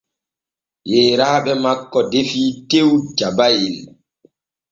Yeyraaɓe makko defi tew jabayel.